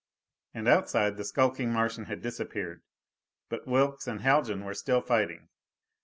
And outside, the skulking Martian had disappeared. But Wilks and Haljan were still fighting.